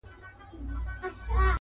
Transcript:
حیا به تللې شرم به هېر وي -